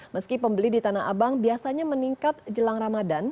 meski pembeli di tanah abang biasanya meningkat jelang ramadan